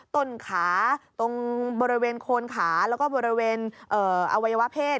ต้นขาตรงบริเวณโคนขาแล้วก็บริเวณอวัยวะเพศ